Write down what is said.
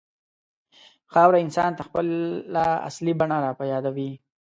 خاوره انسان ته خپله اصلي بڼه راپه یادوي.